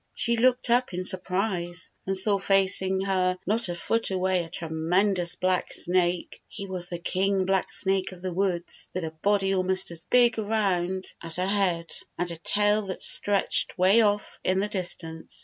She looked up in surprise, and saw facing her not a foot away a tremendous blacksnake. He was the king blacksnake of the woods, with a body almost as big around as her head, and a tail that stretched way off in the distance.